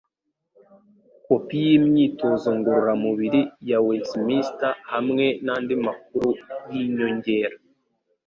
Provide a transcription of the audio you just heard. Kopi yimyitozo ngororamubiri ya Westminster hamwe nandi makuru yinyongera